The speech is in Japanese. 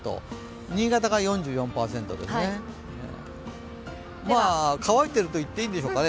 新潟が４４％ですね、乾いてると言っていいんでしょうかね。